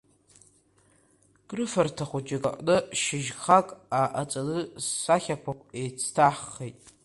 Крыфарҭа хәыҷык аҟны шьыжьхьак ааҟаҵаны сахьақәак еицҭаҳхит.